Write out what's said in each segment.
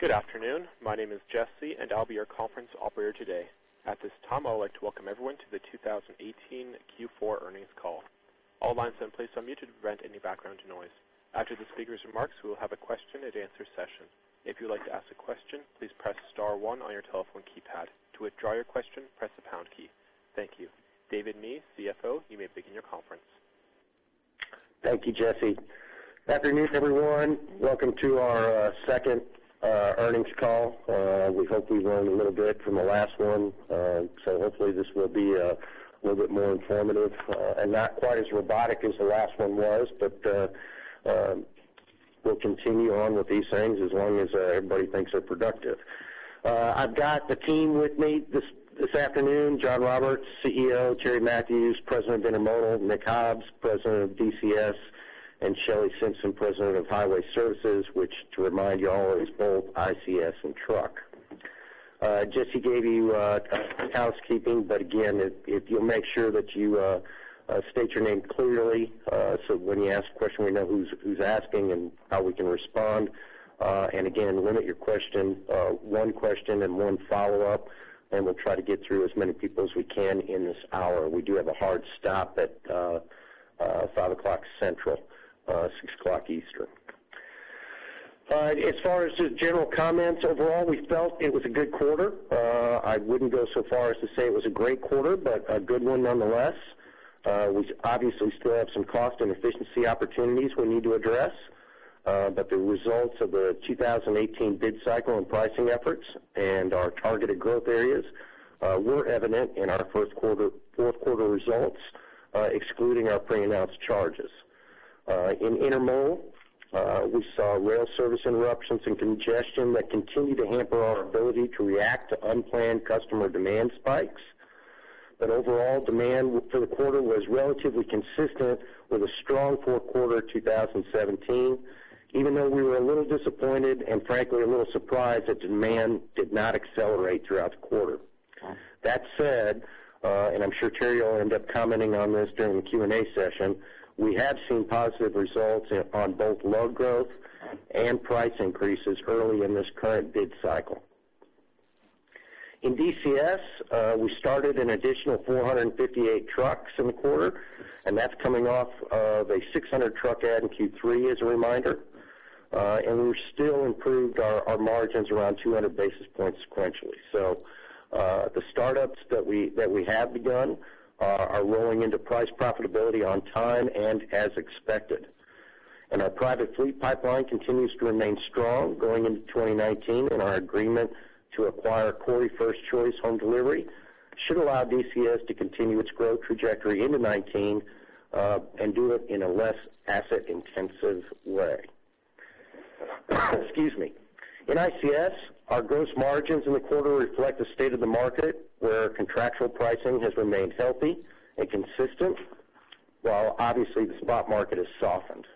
Good afternoon. My name is Jesse, and I will be your conference operator today. At this time, I would like to welcome everyone to the 2018 Q4 earnings call. All lines please on mute to prevent any background noise. After the speakers' remarks, we will have a question and answer session. If you would like to ask a question, please press star one on your telephone keypad. To withdraw your question, press the pound key. Thank you. David Mee, CFO, you may begin your conference. Thank you, Jesse. Good afternoon, everyone. Welcome to our second earnings call. We hope we learned a little bit from the last one, hopefully this will be a little bit more informative, and not quite as robotic as the last one was. We will continue on with these things as long as everybody thinks they are productive. I have got the team with me this afternoon, John Roberts, CEO, Terry Matthews, President of Intermodal, Nick Hobbs, President of DCS, and Shelley Simpson, President of Highway Services, which to remind you all is both ICS and truck. Jesse gave you housekeeping, again, if you will make sure that you state your name clearly, so when you ask a question, we know who is asking and how we can respond. Again, limit your question, one question and one follow-up, and we will try to get through as many people as we can in this hour. We do have a hard stop at five o'clock Central, six o'clock Eastern. As far as just general comments, overall, we felt it was a good quarter. I would not go so far as to say it was a great quarter, a good one nonetheless. We obviously still have some cost and efficiency opportunities we need to address, but the results of the 2018 bid cycle and pricing efforts and our targeted growth areas were evident in our fourth quarter results, excluding our pre-announced charges. In intermodal, we saw rail service interruptions and congestion that continued to hamper our ability to react to unplanned customer demand spikes. Overall, demand for the quarter was relatively consistent with a strong fourth quarter 2017, even though we were a little disappointed and frankly, a little surprised that demand did not accelerate throughout the quarter. That said, I am sure Terry will end up commenting on this during the Q&A session, we have seen positive results upon both load growth and price increases early in this current bid cycle. In DCS, we started an additional 458 trucks in the quarter, that is coming off of a 600 truck add in Q3 as a reminder. We still improved our margins around 200 basis points sequentially. The startups that we have begun are rolling into price profitability on time and as expected. Our private fleet pipeline continues to remain strong going into 2019, and our agreement to acquire Cory's First Choice Home Delivery should allow DCS to continue its growth trajectory into 2019, and do it in a less asset-intensive way. Excuse me. In ICS, our gross margins in the quarter reflect the state of the market, where our contractual pricing has remained healthy and consistent, while obviously the spot market has softened.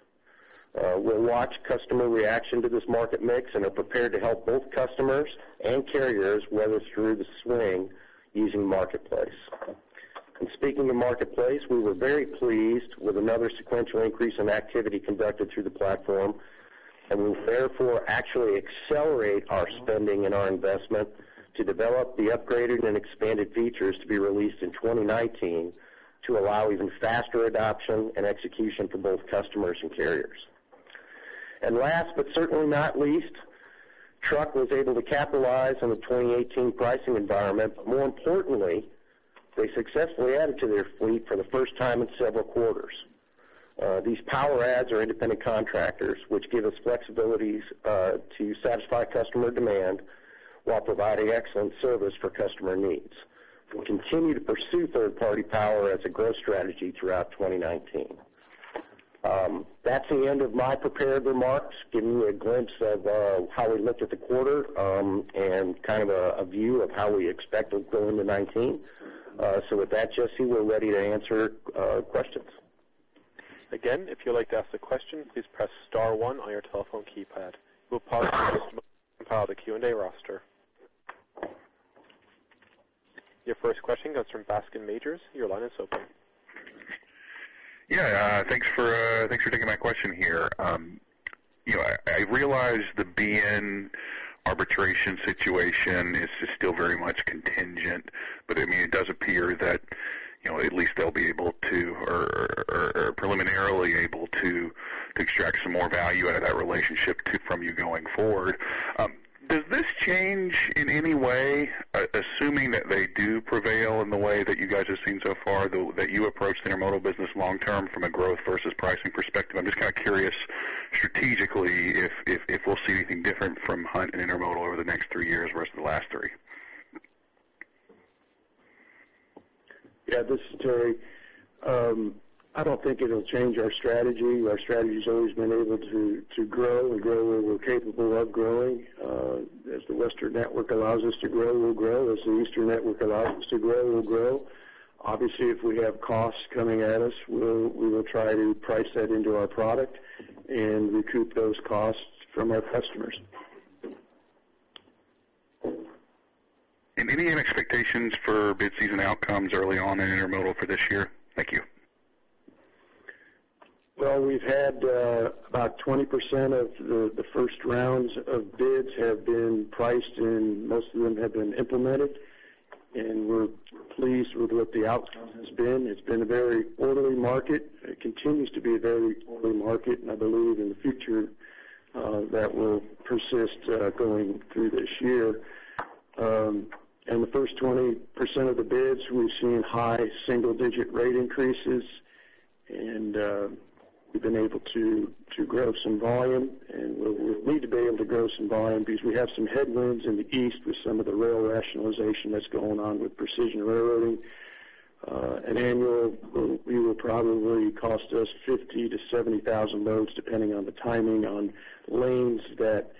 We'll watch customer reaction to this market mix and are prepared to help both customers and carriers weather through the swing using Marketplace. Speaking of Marketplace, we were very pleased with another sequential increase in activity conducted through the platform, and we will therefore actually accelerate our spending and our investment to develop the upgraded and expanded features to be released in 2019 to allow even faster adoption and execution for both customers and carriers. Last, but certainly not least, Truck was able to capitalize on the 2018 pricing environment. More importantly, they successfully added to their fleet for the first time in several quarters. These power adds are independent contractors, which give us flexibilities to satisfy customer demand while providing excellent service for customer needs. We'll continue to pursue third-party power as a growth strategy throughout 2019. That's the end of my prepared remarks, giving you a glimpse of how we looked at the quarter, and a view of how we expect it going to 2019. With that, Jesse, we're ready to answer questions. Again, if you'd like to ask the question, please press star one on your telephone keypad. We'll pause just a moment to compile the Q&A roster. Your first question comes from Bascome Majors. Your line is open. Yeah. Thanks for taking my question here. I realize the BN arbitration situation is still very much contingent, but it does appear that at least they'll be preliminarily able to extract some more value out of that relationship from you going forward. Does this change in any way, assuming that they do prevail in the way that you guys have seen so far, that you approach the intermodal business long term from a growth versus pricing perspective? I'm just curious strategically if we'll see anything different from Hunt and intermodal over the next three years versus the last three. Yeah, this is Terry. I don't think it'll change our strategy. Our strategy's always been able to grow and grow where we're capable of growing. As the Western network allows us to grow, we'll grow. As the Eastern network allows us to grow, we'll grow. Obviously, if we have costs coming at us, we will try to price that into our product and recoup those costs from our customers. Any expectations for bid season outcomes early on in intermodal for this year? Thank you. Well, we've had about 20% of the first rounds of bids have been priced, and most of them have been implemented. We're pleased with what the outcome has been. It's been a very orderly market. It continues to be a very orderly market, and I believe in the future that will persist going through this year. In the first 20% of the bids, we've seen high single-digit rate increases, and we've been able to grow some volume. We'll need to be able to grow some volume because we have some headwinds in the East with some of the rail rationalization that's going on with precision railroading. An annual will probably cost us 50,000 to 70,000 loads, depending on the timing on lanes that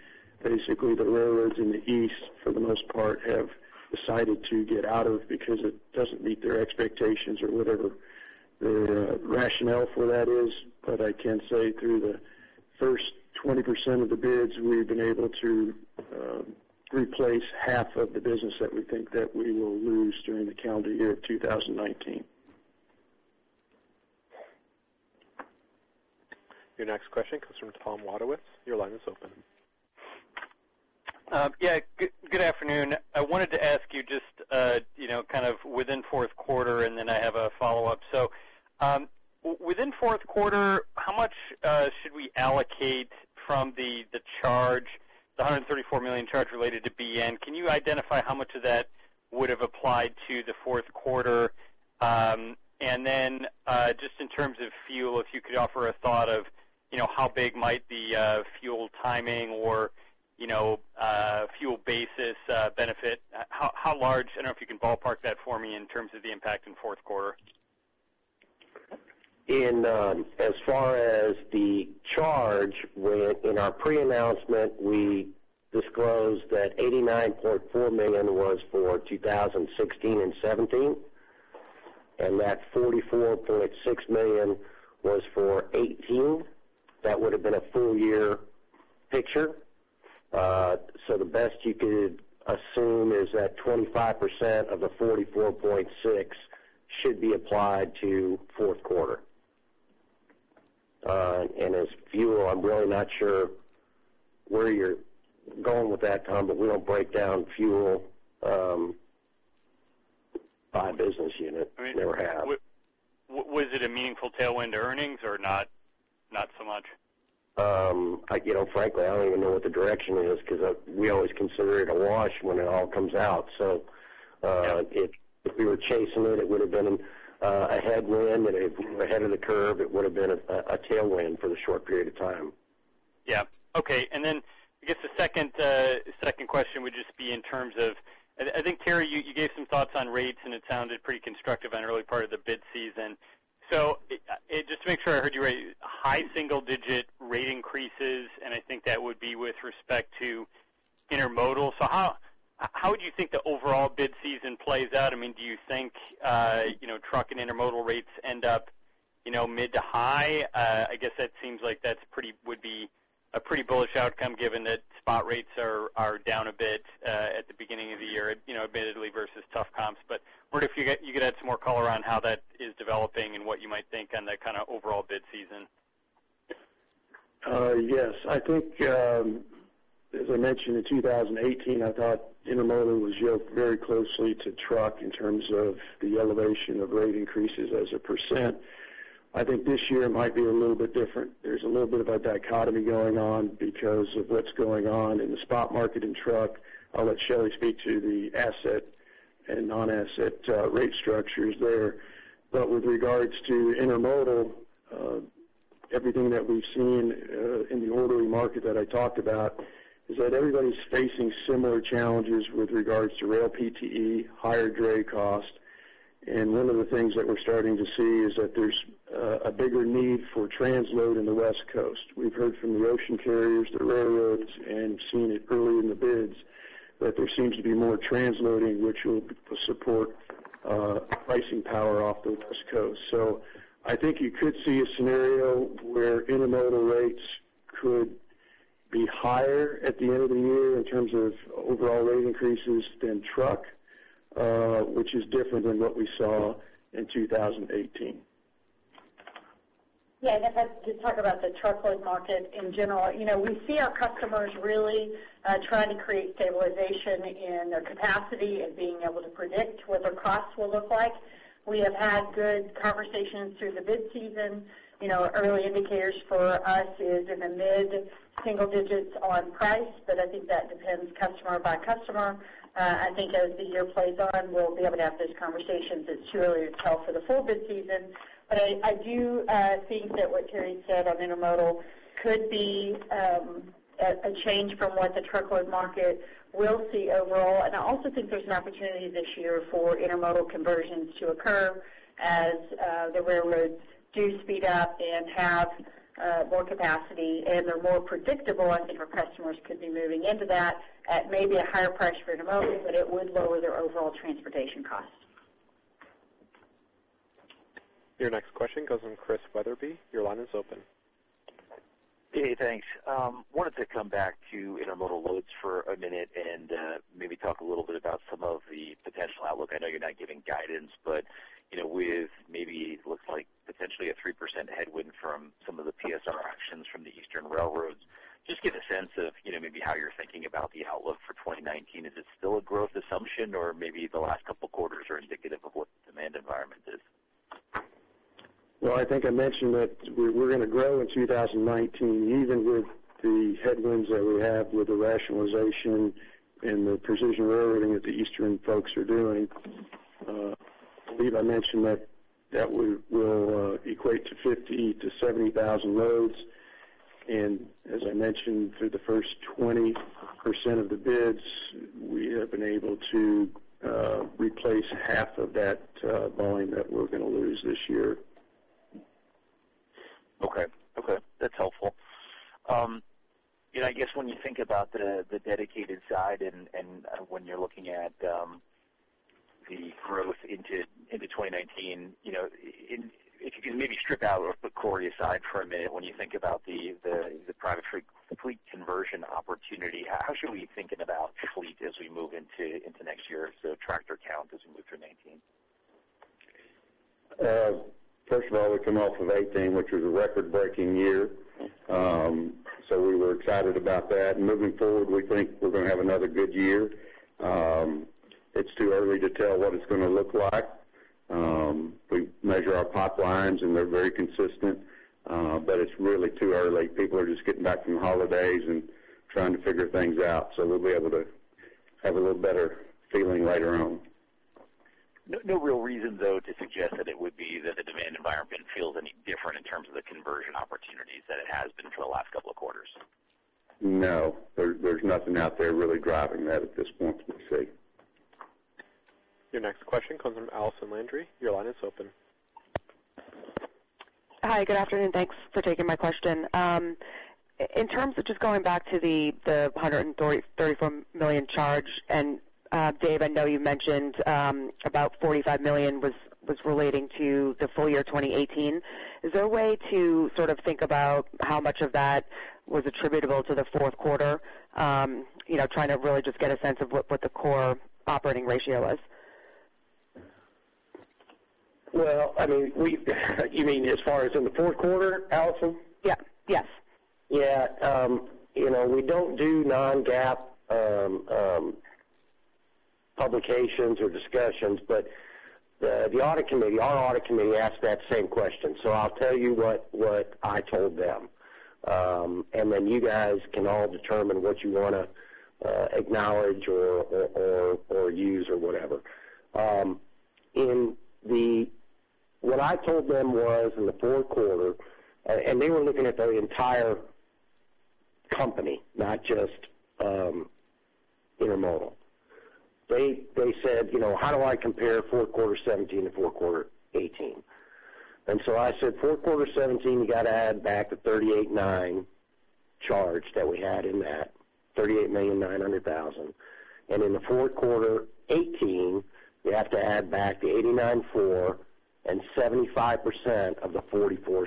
basically the railroads in the East, for the most part, have decided to get out of because it doesn't meet their expectations or whatever their rationale for that is. I can say through the first 20% of the bids, we've been able to replace half of the business that we think that we will lose during the calendar year 2019. Your next question comes from Tom Wadewitz. Your line is open. Yeah. Good afternoon. I wanted to ask you just within fourth quarter, and then I have a follow-up. Within fourth quarter, how much should we allocate from the charge, the $134 million charge related to BN? Can you identify how much of that would have applied to the fourth quarter? And then just in terms of fuel, if you could offer a thought of how big might the fuel timing or fuel basis benefit. How large, I don't know if you can ballpark that for me in terms of the impact in fourth quarter. As far as the charge, in our pre-announcement, we disclosed that $89.4 million was for 2016 and 2017, and that $44.6 million was for 2018. That would have been a full year picture. The best you could assume is that 25% of the $44.6 should be applied to fourth quarter. As fuel, I'm really not sure where you're going with that, Tom, but we don't break down fuel by business unit. Never have. Was it a meaningful tailwind to earnings or not so much? Frankly, I don't even know what the direction is because we always consider it a wash when it all comes out. If we were chasing it would have been a headwind, and if we were ahead of the curve, it would have been a tailwind for the short period of time. Yeah. Okay. I guess the second question would just be in terms of, I think, Terry, you gave some thoughts on rates, and it sounded pretty constructive on early part of the bid season. Just to make sure I heard you right, high single digit rate increases, and I think that would be with respect to intermodal. How would you think the overall bid season plays out? Do you think truck and intermodal rates end up mid to high? I guess that seems like that would be a pretty bullish outcome given that spot rates are down a bit at the beginning of the year, admittedly versus tough comps. I wonder if you could add some more color on how that is developing and what you might think on that overall bid season. Yes. I think as I mentioned in 2018, I thought intermodal was yoked very closely to truck in terms of the elevation of rate increases as a %. I think this year might be a little bit different. There's a little bit of a dichotomy going on because of what's going on in the spot market and truck. I'll let Shelley speak to the asset and non-asset rate structures there. With regards to intermodal, everything that we've seen in the orderly market that I talked about is that everybody's facing similar challenges with regards to rail PTC, higher dray cost. One of the things that we're starting to see is that there's a bigger need for transload in the West Coast. We've heard from the ocean carriers, the railroads, and seen it early in the bids that there seems to be more transloading, which will support pricing power off the West Coast. I think you could see a scenario where intermodal rates could be higher at the end of the year in terms of overall rate increases than truck, which is different than what we saw in 2018. Yeah, to talk about the truckload market in general. We see our customers really trying to create stabilization in their capacity and being able to predict what their costs will look like. We have had good conversations through the bid season. Early indicators for us is in the mid-single digits on price, but I think that depends customer by customer. I think as the year plays on, we'll be able to have those conversations. It's too early to tell for the full bid season. I do think that what Terry said on intermodal could be a change from what the truckload market will see overall. I also think there's an opportunity this year for intermodal conversions to occur as the railroads do speed up and have more capacity, and they're more predictable. I think our customers could be moving into that at maybe a higher price for intermodal, but it would lower their overall transportation costs. Your next question goes to Chris Wetherbee. Your line is open. Hey, thanks. Wanted to come back to intermodal loads for a minute and maybe talk a little bit about some of the potential outlook. I know you're not giving guidance, but with maybe looks like potentially a 3% headwind from some of the PSR actions from the eastern railroads. Just get a sense of maybe how you're thinking about the outlook for 2019. Is it still a growth assumption or maybe the last couple quarters are indicative of what the demand environment is? Well, I think I mentioned that we're going to grow in 2019 even with the headwinds that we have with the rationalization and the Precision Railroading that the eastern folks are doing. I believe I mentioned that will equate to 50,000-70,000 loads. As I mentioned, through the first 20% of the bids, we have been able to replace half of that volume that we're going to lose this year. Okay. That's helpful. I guess when you think about the dedicated side and when you're looking at the growth into 2019, if you could maybe strip out the Cory side for a minute, when you think about the private fleet conversion opportunity, how should we be thinking about fleet as we move into next year as to tractor count as we move through 2019? First of all, we come off of 2018, which was a record-breaking year. We were excited about that. Moving forward, we think we're going to have another good year. It's too early to tell what it's going to look like. We measure our pipelines, they're very consistent. It's really too early. People are just getting back from holidays and trying to figure things out. We'll be able to have a little better feeling later on. No real reason, though, to suggest that it would be that the demand environment feels any different in terms of the conversion opportunities than it has been for the last couple of quarters? No, there's nothing out there really driving that at this point we see. Your next question comes from Allison Landry. Your line is open. Hi, good afternoon. Thanks for taking my question. In terms of just going back to the $134 million charge, Dave, I know you mentioned about $45 million was relating to the full year 2018. Is there a way to sort of think about how much of that was attributable to the fourth quarter? Trying to really just get a sense of what the core operating ratio was. Well, you mean as far as in the fourth quarter, Allison? Yes. Yeah. We don't do non-GAAP publications or discussions, but our audit committee asked that same question. I'll tell you what I told them, then you guys can all determine what you want to acknowledge or use or whatever. What I told them was in the fourth quarter, and they were looking at the entire company, not just intermodal. They said, "How do I compare fourth quarter 2017 to fourth quarter 2018?" I said, "Fourth quarter 2017, you got to add back the $38.9 charge that we had in that, $38,900,000. In the fourth quarter 2018, you have to add back the $89.4 and 75% of the $44.6."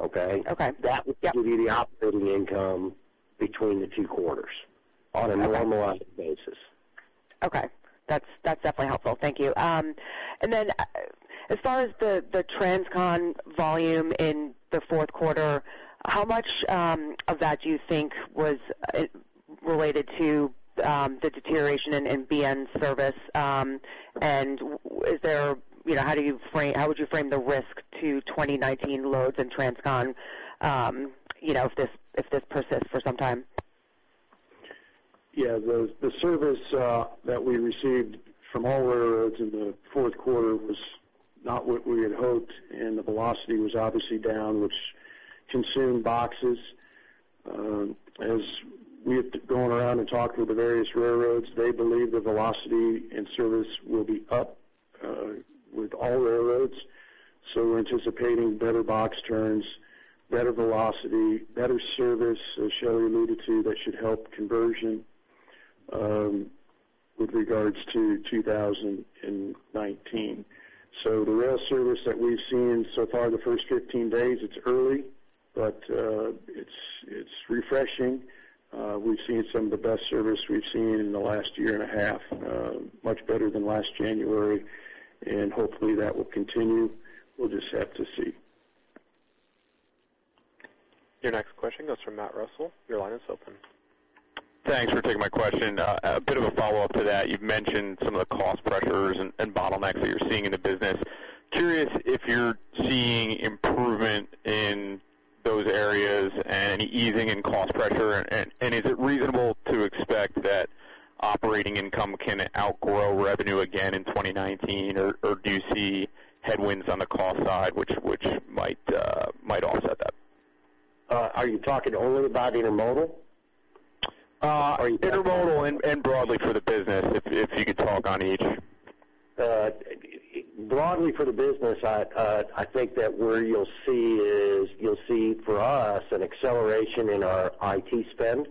Okay? Okay. Yep. That would give you the operating income between the two quarters on a normalized basis. Okay. That's definitely helpful. Thank you. As far as the transcon volume in the fourth quarter, how much of that do you think was related to the deterioration in BN service? How would you frame the risk to 2019 loads in transcon if this persists for some time? Yeah, the service that we received from all railroads in the fourth quarter was not what we had hoped. The velocity was obviously down, which consumed boxes. As we have gone around and talked with the various railroads, they believe the velocity and service will be up with all railroads. We're anticipating better box turns, better velocity, better service, as Shelley alluded to, that should help conversion with regards to 2019. The rail service that we've seen so far the first 15 days, it's early, but it's refreshing. We've seen some of the best service we've seen in the last year and a half, much better than last January. Hopefully that will continue. We'll just have to see. Your next question goes from Matt Russell. Your line is open. Thanks for taking my question. A bit of a follow-up to that. You've mentioned some of the cost pressures and bottlenecks that you're seeing in the business. Curious if you're seeing improvement in those areas and any easing in cost pressure. Is it reasonable to expect that operating income can outgrow revenue again in 2019? Do you see headwinds on the cost side which might offset that? Are you talking only about intermodal? intermodal and broadly for the business, if you could talk on each. Broadly for the business, I think that where you'll see is, you'll see for us an acceleration in our IT spend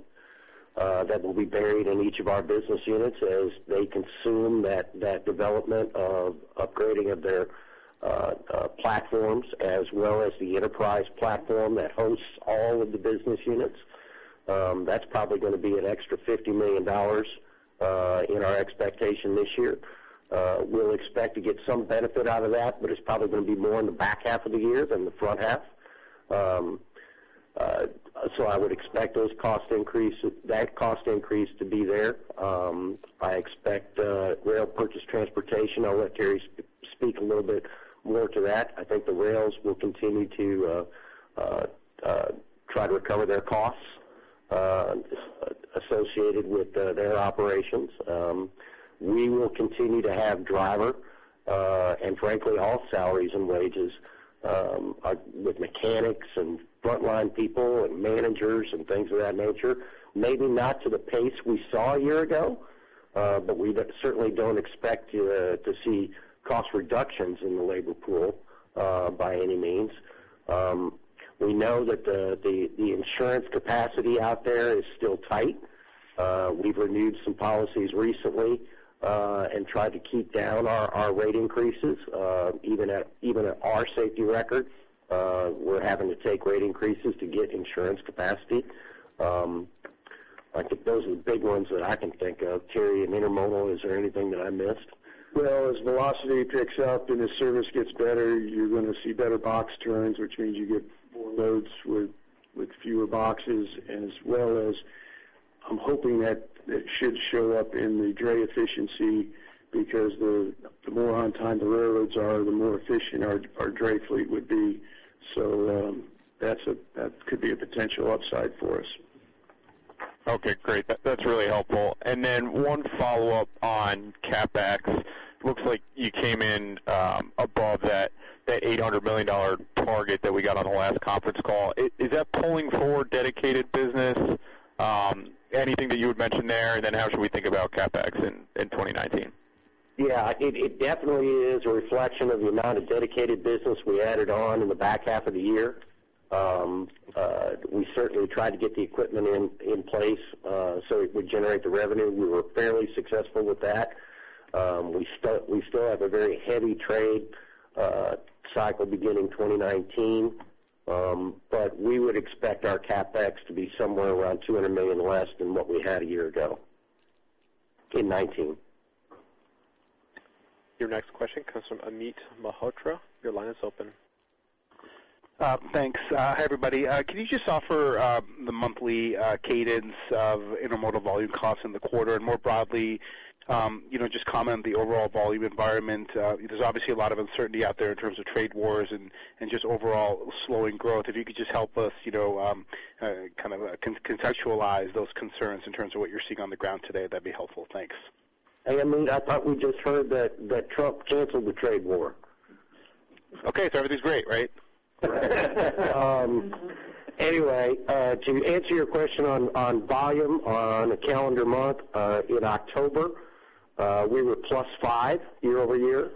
that will be buried in each of our business units as they consume that development of upgrading of their platforms as well as the enterprise platform that hosts all of the business units. That's probably going to be an extra $50 million in our expectation this year. We'll expect to get some benefit out of that, but it's probably going to be more in the back half of the year than the front half. I would expect that cost increase to be there. I expect rail purchase transportation. I'll let Terry speak a little bit more to that. I think the rails will continue to try to recover their costs associated with their operations. We will continue to have driver, and frankly, all salaries and wages with mechanics and frontline people and managers and things of that nature. Maybe not to the pace we saw a year ago, but we certainly don't expect to see cost reductions in the labor pool by any means. We know that the insurance capacity out there is still tight. We've renewed some policies recently and tried to keep down our rate increases. Even at our safety records, we're having to take rate increases to get insurance capacity. I think those are the big ones that I can think of. Terry, in intermodal, is there anything that I missed? As velocity picks up and as service gets better, you're going to see better box turns, which means you get more loads with fewer boxes as well as I'm hoping that it should show up in the dray efficiency because the more on time the railroads are, the more efficient our dray fleet would be. That could be a potential upside for us. Okay, great. That's really helpful. One follow-up on CapEx. Looks like you came in above that $800 million target that we got on the last conference call. Is that pulling forward dedicated business? Anything that you would mention there? How should we think about CapEx in 2019? It definitely is a reflection of the amount of dedicated business we added on in the back half of the year. We certainly tried to get the equipment in place so it would generate the revenue. We were fairly successful with that. We still have a very heavy trade cycle beginning 2019, but we would expect our CapEx to be somewhere around $200 million less than what we had a year ago in 2019. Your next question comes from Amit Mehrotra. Your line is open. Thanks. Hi, everybody. Can you just offer the monthly cadence of intermodal volume costs in the quarter? More broadly, just comment on the overall volume environment. There's obviously a lot of uncertainty out there in terms of trade wars and just overall slowing growth. If you could just help us kind of conceptualize those concerns in terms of what you're seeing on the ground today, that'd be helpful. Thanks. Hey, Amit, I thought we just heard that Trump canceled the trade war. Okay. Everything's great, right? Anyway, to answer your question on volume on a calendar month, in October, we were plus five year-over-year.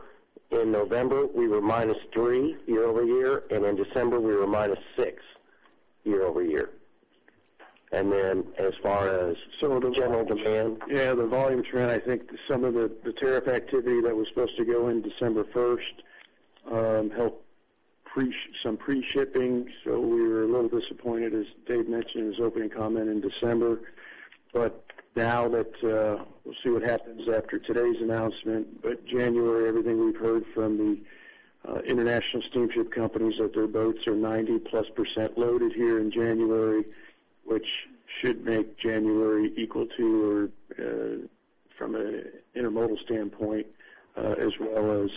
In November, we were minus three year-over-year. In December, we were minus six year-over-year. As far as general demand. Yeah, the volume trend, I think some of the tariff activity that was supposed to go in December 1st helped some pre-shipping. We were a little disappointed, as Dave mentioned in his opening comment in December. Now we'll see what happens after today's announcement. January, everything we've heard from the international steamship companies that their boats are 90%-plus loaded here in January, which should make January equal to or from an intermodal standpoint as well as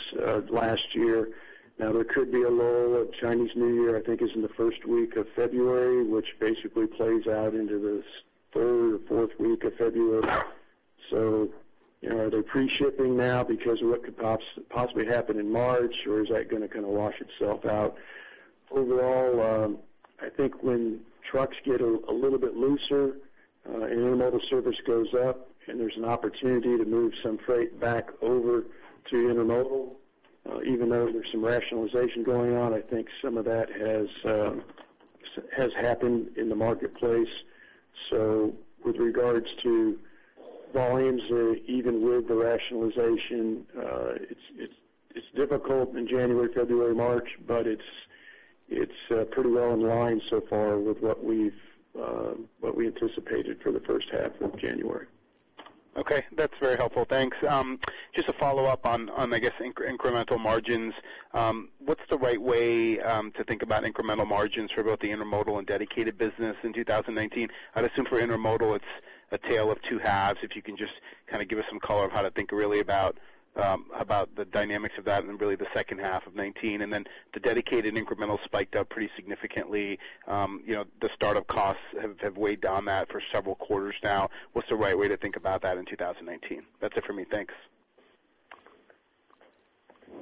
last year. There could be a lull. Chinese New Year, I think, is in the 1st week of February, which basically plays out into the 3rd or 4th week of February. Are they pre-shipping now because of what could possibly happen in March, or is that going to kind of wash itself out? Overall, I think when trucks get a little bit looser and intermodal service goes up and there's an opportunity to move some freight back over to intermodal even though there's some rationalization going on. I think some of that has happened in the marketplace. With regards to volumes or even with the rationalization, it's difficult in January, February, March, but it's pretty well in line so far with what we anticipated for the 1st half of January. Okay. That's very helpful. Thanks. Just a follow-up on, I guess, incremental margins. What's the right way to think about incremental margins for both the intermodal and dedicated business in 2019? I'd assume for intermodal it's a tale of two halves. If you can just kind of give us some color of how to think really about the dynamics of that and really the 2nd half of 2019. The dedicated incremental spiked up pretty significantly. The startup costs have weighed down that for several quarters now. What's the right way to think about that in 2019? That's it for me. Thanks.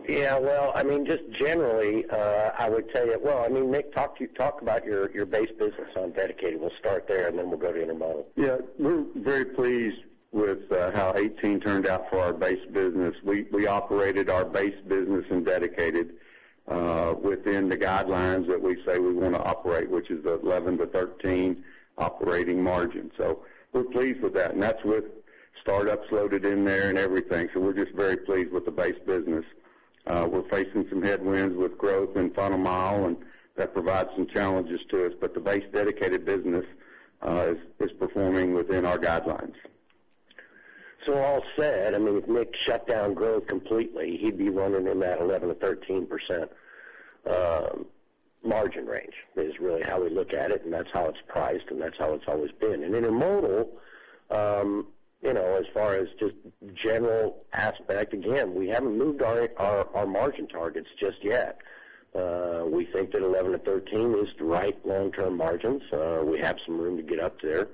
Yeah. Well, just generally, I would tell you Well, Nick, talk about your base business on dedicated. We'll start there and then we'll go to intermodal. We're very pleased with how 2018 turned out for our base business. We operated our base business in dedicated within the guidelines that we say we want to operate, which is the 11%-13% operating margin. We're pleased with that. That's with startups loaded in there and everything. We're just very pleased with the base business. We're facing some headwinds with growth in final mile, and that provides some challenges to us. The base dedicated business is performing within our guidelines. All said, if Nick shut down growth completely, he'd be running in that 11%-13% margin range, is really how we look at it, and that's how it's priced, and that's how it's always been. Intermodal, as far as just general aspect, again, we haven't moved our margin targets just yet. We think that 11%-13% is the right long-term margin, so we have some room to get up there.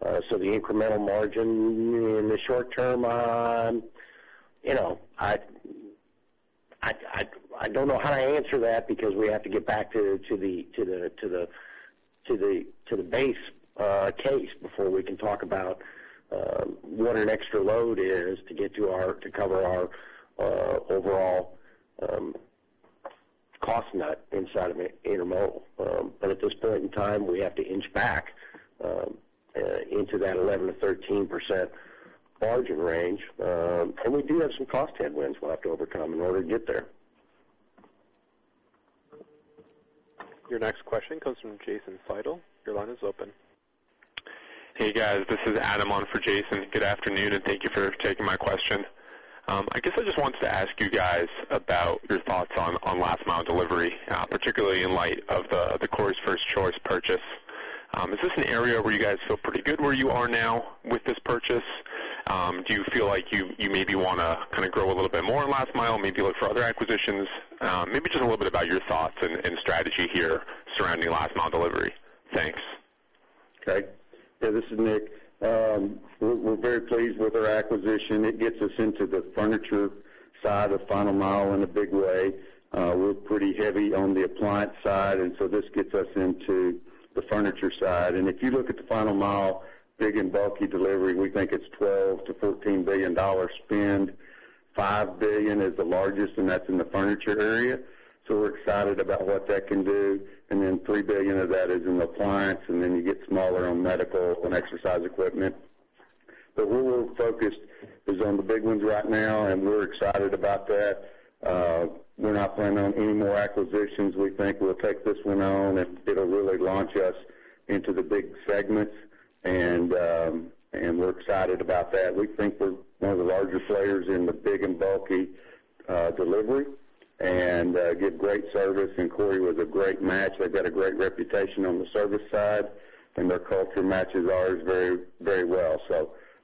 The incremental margin in the short term, I don't know how to answer that because we have to get back to the base case before we can talk about what an extra load is to cover our overall cost nut inside of intermodal. At this point in time, we have to inch back into that 11%-13% margin range. We do have some cost headwinds we'll have to overcome in order to get there. Your next question comes from Jason Seidl. Your line is open. Hey, guys. This is Adam on for Jason. Good afternoon, thank you for taking my question. I guess I just wanted to ask you guys about your thoughts on last mile delivery, particularly in light of the Cory's First Choice purchase. Is this an area where you guys feel pretty good where you are now with this purchase? Do you feel like you maybe want to grow a little bit more in last mile, maybe look for other acquisitions? Maybe just a little bit about your thoughts and strategy here surrounding last mile delivery. Thanks. Okay. This is Nick. We're very pleased with our acquisition. It gets us into the furniture side of final mile in a big way. We're pretty heavy on the appliance side, this gets us into the furniture side. If you look at the final mile big and bulky delivery, we think it's a $12 billion-$14 billion spend. $5 billion is the largest, that's in the furniture area. We're excited about what that can do. $3 billion of that is in appliance, you get smaller on medical and exercise equipment. Where we're focused is on the big ones right now, we're excited about that. We're not planning on any more acquisitions. We think we'll take this one on, it'll really launch us into the big segments, we're excited about that. We think we're one of the largest players in the big and bulky delivery and give great service, Cory was a great match. They've got a great reputation on the service side, their culture matches ours very well.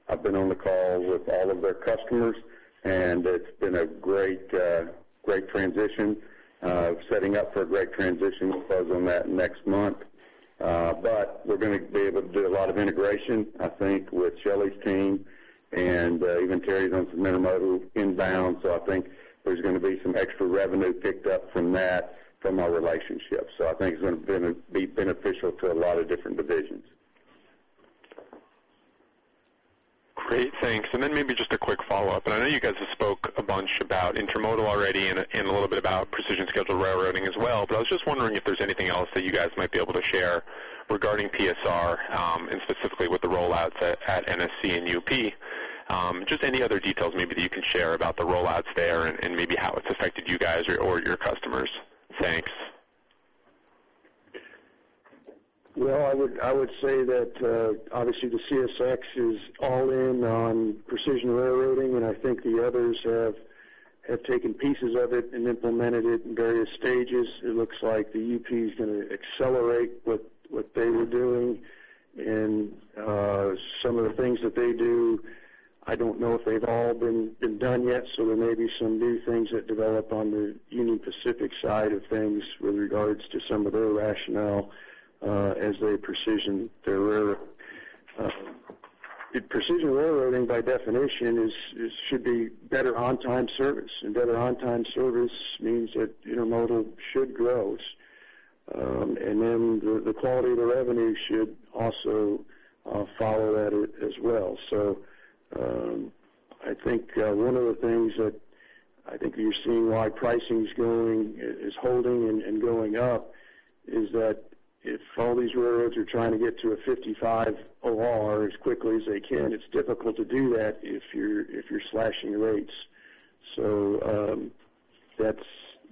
I've been on the call with all of their customers, it's been a great transition, setting up for a great transition. We'll close on that next month. We're going to be able to do a lot of integration, I think, with Shelley's team and even Terry's on some intermodal inbound. I think there's going to be some extra revenue picked up from that, from our relationship. I think it's going to be beneficial to a lot of different divisions. Great, thanks. Maybe just a quick follow-up. I know you guys have spoke a bunch about intermodal already and a little bit about Precision Scheduled Railroading as well, I was just wondering if there's anything else that you guys might be able to share regarding PSR, specifically with the rollouts at Norfolk Southern and Union Pacific. Any other details maybe that you can share about the rollouts there and maybe how it's affected you guys or your customers. Thanks. I would say that obviously the CSX is all in on Precision Railroading, and I think the others have taken pieces of it and implemented it in various stages. It looks like the UP is going to accelerate what they were doing. Some of the things that they do, I don't know if they've all been done yet. There may be some new things that develop on the Union Pacific side of things with regards to some of their rationale as they precision their railroad. Precision Railroading, by definition, should be better on-time service. Better on-time service means that intermodal should grow. The quality of the revenue should also follow that as well. I think one of the things that I think you're seeing why pricing is holding and going up is that if all these railroads are trying to get to a 55 OR as quickly as they can, it's difficult to do that if you're slashing rates.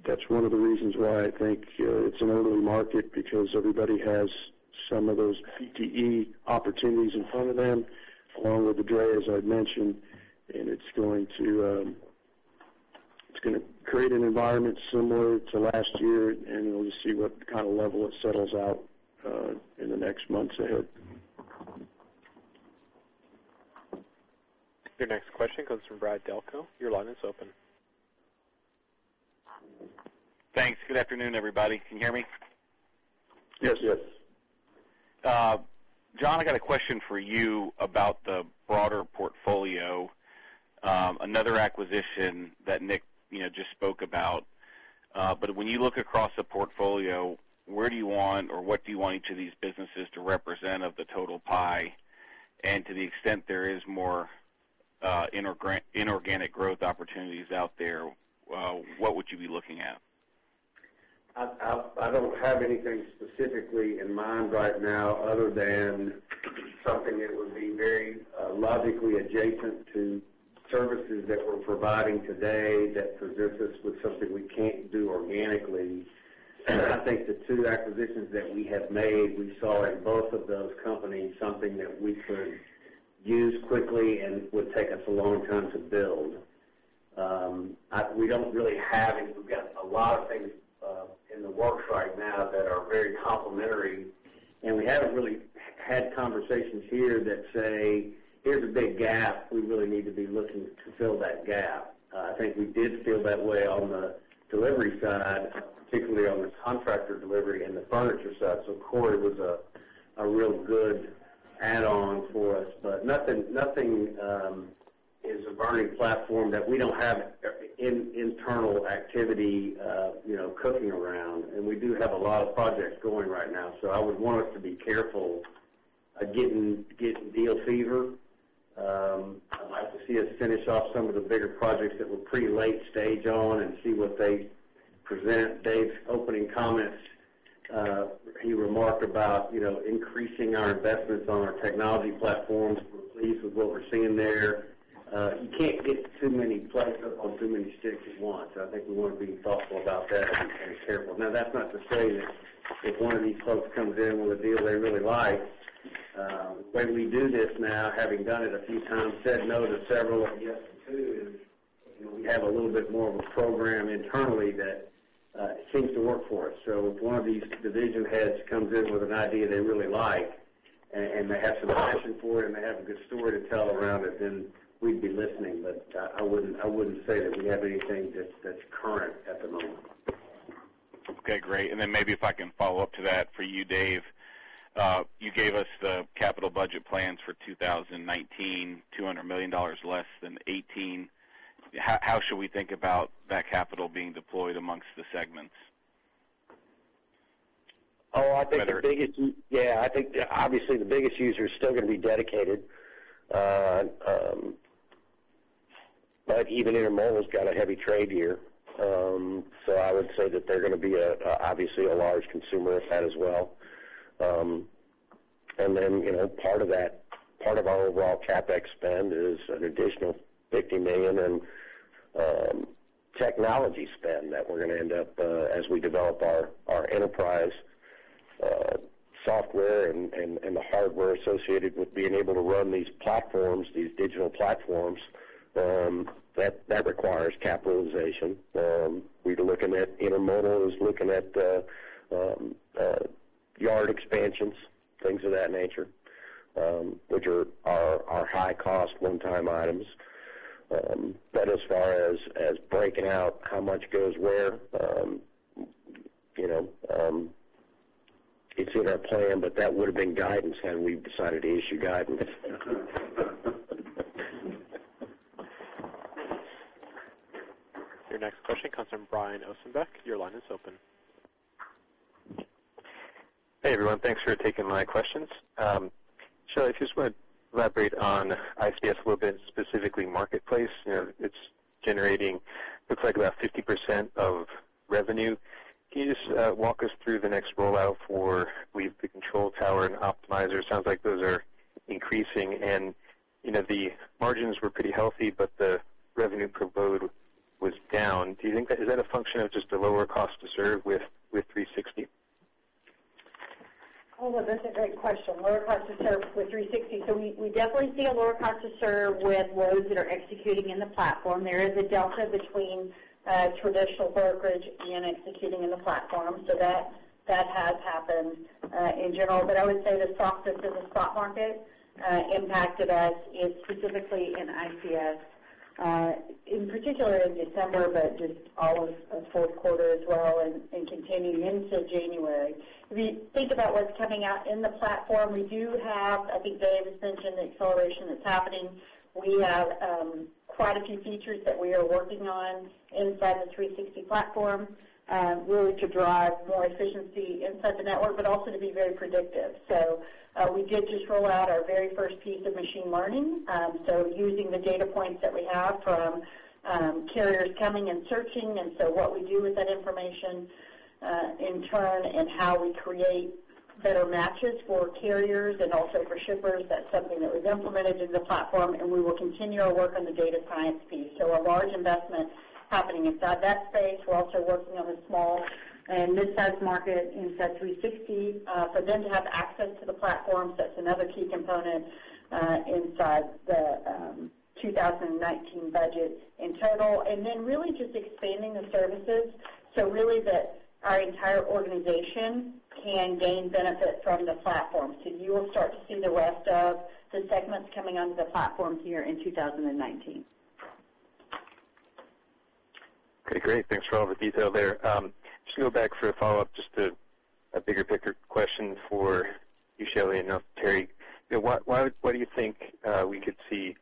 That's one of the reasons why I think it's an early market because everybody has some of those PTC opportunities in front of them, along with the drought, as I mentioned, and it's going to create an environment similar to last year, and we'll just see what level it settles out in the next months ahead. Your next question comes from Brad Delco. Your line is open. Thanks. Good afternoon, everybody. Can you hear me? Yes. John, I got a question for you about the broader portfolio. Another acquisition that Nick just spoke about. When you look across the portfolio, where do you want or what do you want each of these businesses to represent of the total pie? To the extent there is more inorganic growth opportunities out there, what would you be looking at? I don't have anything specifically in mind right now, other than something that would be very logically adjacent to services that we're providing today that presents us with something we can't do organically. I think the two acquisitions that we have made, we saw in both of those companies, something that we could use quickly and would take us a long time to build. We've got a lot of things in the works right now that are very complementary, and we haven't really had conversations here that say, "Here's a big gap. We really need to be looking to fill that gap." I think we did feel that way on the delivery side, particularly on the contractor delivery and the furniture side. Cory was a real good add-on for us, but nothing is a burning platform that we don't have internal activity cooking around. We do have a lot of projects going right now, I would want us to be careful getting deal fever. I'd like to see us finish off some of the bigger projects that we're pretty late stage on and see what they present. Dave's opening comments, he remarked about increasing our investments on our technology platforms. We're pleased with what we're seeing there. You can't get too many flags up on too many sticks at once. I think we want to be thoughtful about that and careful. Now, that's not to say that if one of these folks comes in with a deal they really like. The way we do this now, having done it a few times, said no to several and yes to two is, we have a little bit more of a program internally that seems to work for us. If one of these division heads comes in with an idea they really like, and they have some passion for it, and they have a good story to tell around it, then we'd be listening. I wouldn't say that we have anything that's current at the moment. Okay, great. Maybe if I can follow up to that for you, Dave. You gave us the capital budget plans for 2019, $200 million less than 2018. How should we think about that capital being deployed amongst the segments? Yeah, I think obviously the biggest user is still going to be dedicated. Even Intermodal's got a heavy trade here. I would say that they're going to be obviously a large consumer of that as well. Part of our overall CapEx spend is an additional $50 million in technology spend that we're going to end up as we develop our enterprise software and the hardware associated with being able to run these digital platforms. That requires capitalization. Intermodal is looking at yard expansions, things of that nature, which are our high-cost one-time items. As far as breaking out how much goes where, it's in our plan, but that would have been guidance had we decided to issue guidance. Your next question comes from Brian Ossenbeck. Your line is open. Hey, everyone. Thanks for taking my questions. Shelley, I just want to elaborate on ICS a little bit, specifically Marketplace. It's generating, looks like about 50% of revenue. Can you just walk us through the next rollout for the Control Tower and Optimizer? It sounds like those are increasing, and the margins were pretty healthy, but the revenue per load was down. Is that a function of just a lower cost to serve with 360? Oh, well, that's a great question. Lower cost to serve with 360. We definitely see a lower cost to serve with loads that are executing in the platform. There is a delta between traditional brokerage and executing in the platform. That has happened in general. I would say the softness in the spot market impacted us, and specifically in ICS. In particular in December, but just all of fourth quarter as well and continuing into January. If you think about what's coming out in the platform, we do have, I think Dave has mentioned the acceleration that's happening. We have quite a few features that we are working on inside the 360 platform really to drive more efficiency inside the network, but also to be very predictive. We did just roll out our very first piece of machine learning. Using the data points that we have from carriers coming and searching, what we do with that information in turn and how we create better matches for carriers and also for shippers. That's something that was implemented in the platform, and we will continue our work on the data science piece. A large investment happening inside that space. We're also working on the small and midsize market inside 360. For them to have access to the platform, that's another key component inside the 2019 budget in total. Really just expanding the services. Really the Our entire organization can gain benefit from the platform. You will start to see the rest of the segments coming onto the platform here in 2019. Okay, great. Thanks for all the detail there. Just go back for a follow-up, just a bigger picture question for you, Shelley and now Terry. Why do you think we could see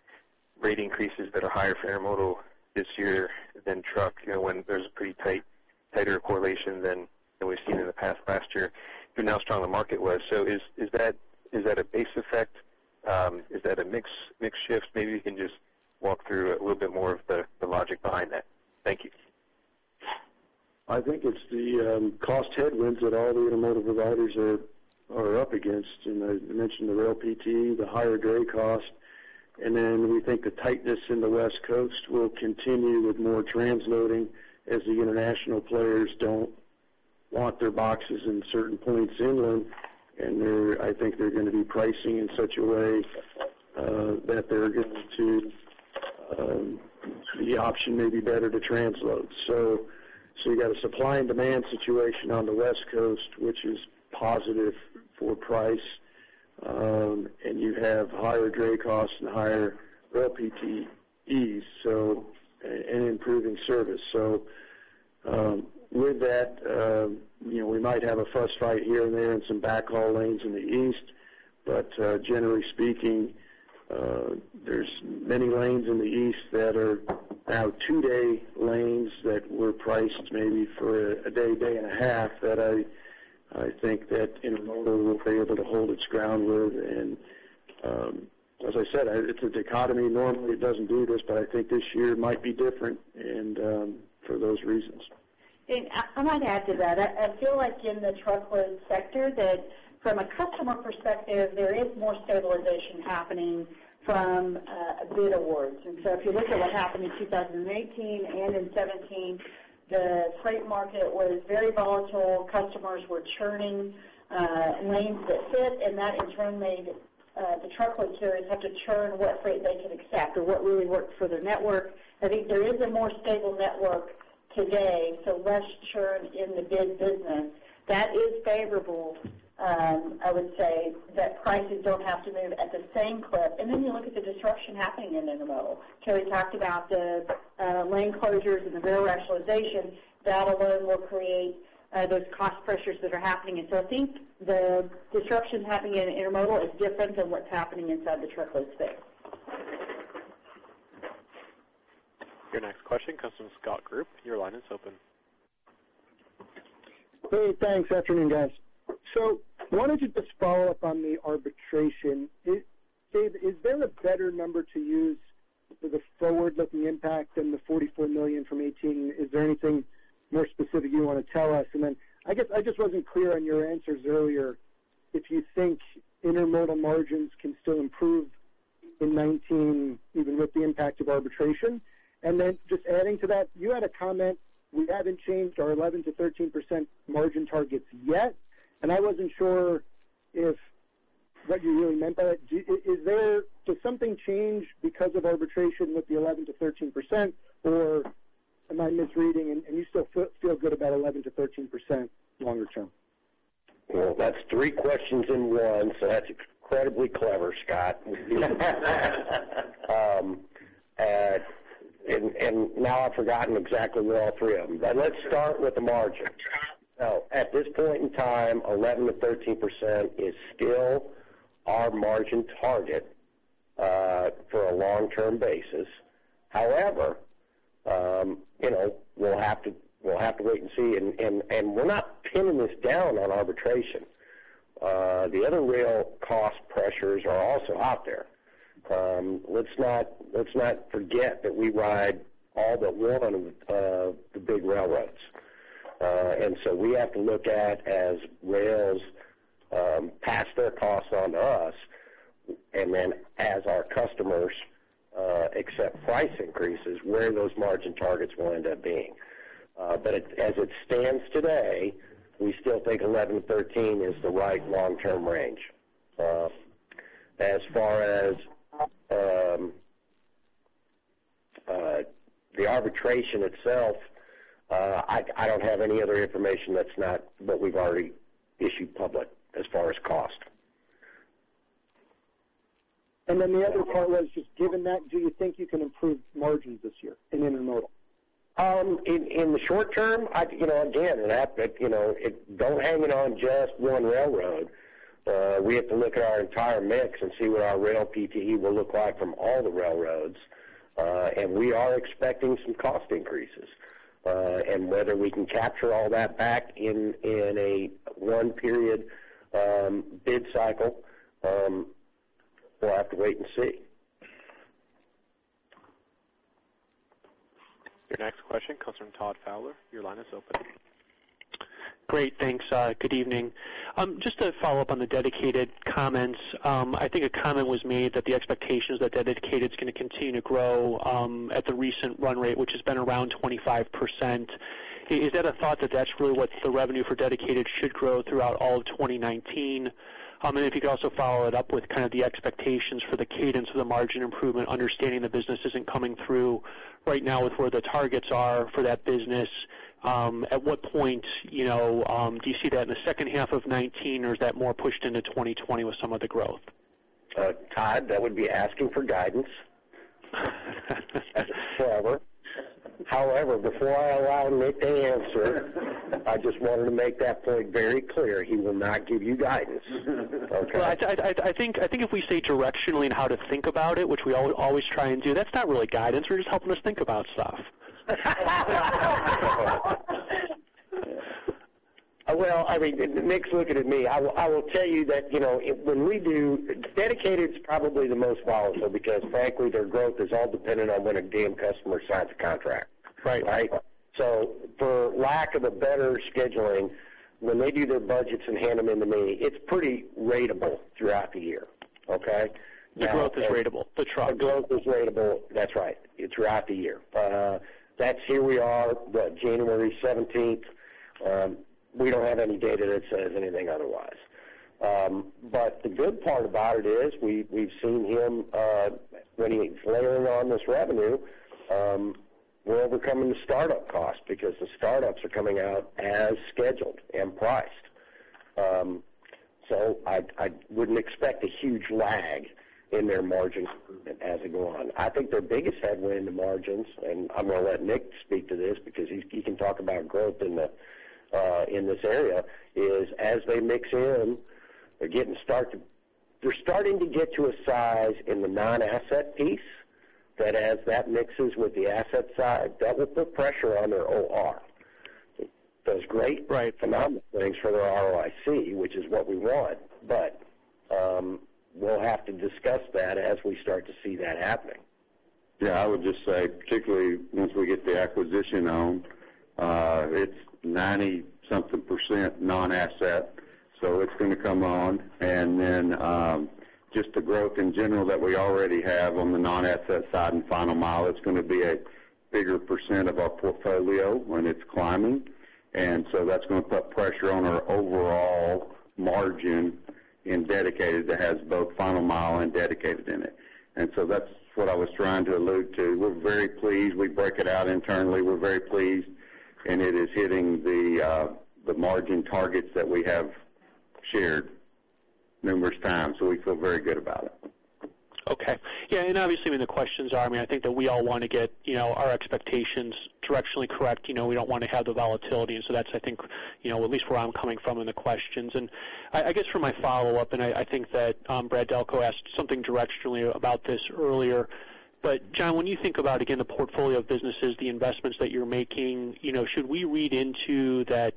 rate increases that are higher for intermodal this year than truck, when there's a pretty tighter correlation than we've seen in the past year, given how strong the market was? Is that a base effect? Is that a mix shift? Maybe you can just walk through a little bit more of the logic behind that. Thank you. I think it's the cost headwinds that all the intermodal providers are up against. I mentioned the rail PTC, the higher dray cost, then we think the tightness in the West Coast will continue with more transloading as the international players don't want their boxes in certain points inland, I think they're going to be pricing in such a way that the option may be better to transload. You got a supply and demand situation on the West Coast, which is positive for price. You have higher dray costs and higher rail PTCs, and improving service. With that, we might have a fuss fight here and there in some backhaul lanes in the East. Generally speaking, there's many lanes in the East that are now two-day lanes that were priced maybe for a day and a half, that I think that intermodal will be able to hold its ground with. As I said, it's a dichotomy. Normally, it doesn't do this, I think this year might be different for those reasons. I might add to that. I feel like in the truckload sector, that from a customer perspective, there is more stabilization happening from bid awards. If you look at what happened in 2018 and in 2017, the freight market was very volatile. Customers were churning lanes that sit, that in turn made the truckload carriers have to churn what freight they could accept or what really worked for their network. I think there is a more stable network today, less churn in the bid business. That is favorable, I would say, that prices don't have to move at the same clip. You look at the disruption happening in intermodal. Terry talked about the lane closures and the rail rationalization. That alone will create those cost pressures that are happening. I think the disruption happening in intermodal is different than what's happening inside the truckload space. Your next question comes from Scott Group. Your line is open. Great. Thanks. Afternoon, guys. Wanted to just follow up on the arbitration. Dave, is there a better number to use for the forward-looking impact than the $44 million from 2018? Is there anything more specific you want to tell us? I guess I just wasn't clear on your answers earlier, if you think intermodal margins can still improve in 2019, even with the impact of arbitration? Just adding to that, you had a comment, we haven't changed our 11%-13% margin targets yet, and I wasn't sure if what you really meant by that. Does something change because of arbitration with the 11%-13%, or am I misreading and you still feel good about 11%-13% longer term? That's three questions in one, that's incredibly clever, Scott. Now I've forgotten exactly what all three of them are. Let's start with the margin. At this point in time, 11%-13% is still our margin target for a long-term basis. However, we'll have to wait and see. We're not pinning this down on arbitration. The other rail cost pressures are also out there. Let's not forget that we ride all but one of the big railroads. We have to look at as rails pass their costs onto us, then as our customers accept price increases, where those margin targets will end up being. As it stands today, we still think 11%-13% is the right long-term range. As far as the arbitration itself, I don't have any other information that's not what we've already issued public as far as cost. The other part was just given that, do you think you can improve margins this year in intermodal? In the short term, again, don't hang it on just one railroad. We have to look at our entire mix and see what our rail PTC will look like from all the railroads. We are expecting some cost increases. Whether we can capture all that back in a one-period bid cycle, we'll have to wait and see. Your next question comes from Todd Fowler. Your line is open. Great. Thanks. Good evening. Just to follow up on the dedicated comments. I think a comment was made that the expectations that dedicated is going to continue to grow at the recent run rate, which has been around 25%. Is that a thought that's really what the revenue for dedicated should grow throughout all of 2019? If you could also follow it up with the expectations for the cadence of the margin improvement, understanding the business isn't coming through right now with where the targets are for that business. At what point, do you see that in the second half of 2019 or is that more pushed into 2020 with some of the growth? Todd, that would be asking for guidance. However, before I allow Nick to answer, I just wanted to make that point very clear, he will not give you guidance. Okay. Well, I think if we say directionally and how to think about it, which we always try and do, that's not really guidance. We're just helping us think about stuff. Well, Nick's looking at me. I will tell you that dedicated is probably the most volatile because frankly their growth is all dependent on when a damn customer signs a contract. Right. For lack of a better scheduling, when they do their budgets and hand them in to me, it's pretty ratable throughout the year. Okay? The growth is ratable. The truck. The growth is ratable, that's right, throughout the year. That's here we are, what, January 17th. We don't have any data that says anything otherwise. The good part about it is we've seen him when he's layering on this revenue, we're overcoming the startup cost because the startups are coming out as scheduled and priced. I wouldn't expect a huge lag in their margin improvement as they go on. I think their biggest headwind to margins, and I'm going to let Nick speak to this because he can talk about growth in this area, is as they mix in, they're starting to get to a size in the non-asset piece that as that mixes with the asset side, that will put pressure on their OR. Does great- Right phenomenal things for their ROIC, which is what we want. We'll have to discuss that as we start to see that happening. Yeah, I would just say, particularly once we get the acquisition owned, it's 90 something % non-asset, it's going to come on. Just the growth in general that we already have on the non-asset side and final mile, it's going to be a bigger % of our portfolio when it's climbing. That's going to put pressure on our overall margin in dedicated that has both final mile and dedicated in it. That's what I was trying to allude to. We're very pleased. We break it out internally. We're very pleased, it is hitting the margin targets that we have shared numerous times. We feel very good about it. Okay. Yeah, obviously when the questions are, I think that we all want to get our expectations directionally correct. We don't want to have the volatility. That's, I think, at least where I'm coming from in the questions. I guess for my follow-up, I think that Brad Delco asked something directionally about this earlier. John, when you think about, again, the portfolio of businesses, the investments that you're making, should we read into that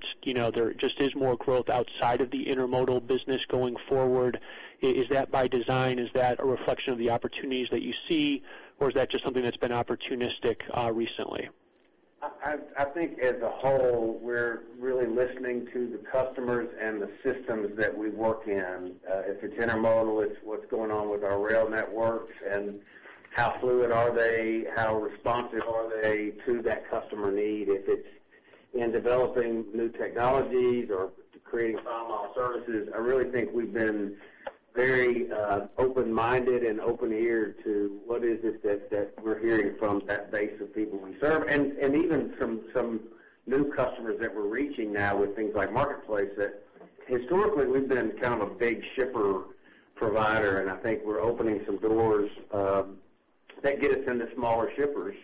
there just is more growth outside of the intermodal business going forward? Is that by design? Is that a reflection of the opportunities that you see? Is that just something that's been opportunistic recently? I think as a whole, we're really listening to the customers and the systems that we work in. If it's intermodal, it's what's going on with our rail networks and how fluid are they, how responsive are they to that customer need. If it's in developing new technologies or creating final mile services, I really think we've been very open-minded and open-eared to what is it that we're hearing from that base of people we serve. Even some new customers that we're reaching now with things like Marketplace, that historically we've been a big shipper provider, I think we're opening some doors that get us into smaller shippers,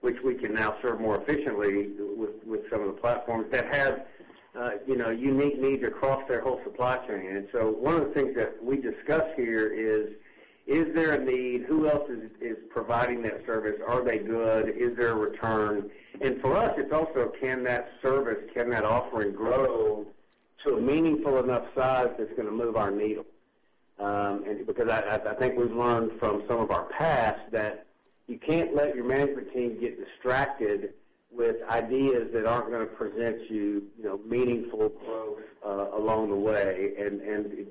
which we can now serve more efficiently with some of the platforms that have unique needs across their whole supply chain. One of the things that we discuss here is there a need? Who else is providing that service? Are they good? Is there a return? For us, it's also can that service, can that offering grow to a meaningful enough size that's going to move our needle? Because I think we've learned from some of our past that you can't let your management team get distracted with ideas that aren't going to present you meaningful growth along the way and